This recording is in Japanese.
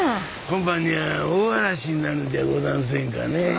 今晩にゃ大嵐になるんじゃござんせんかねえ。